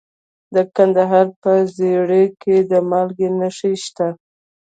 د کندهار په ژیړۍ کې د مالګې نښې شته.